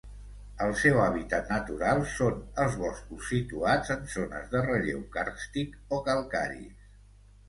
El seu hàbitat natural són els boscos situats en zones de relleu càrstic o calcaris.